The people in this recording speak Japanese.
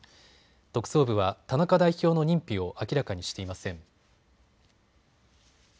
特捜部は田中代表の認否を明らかにしていません。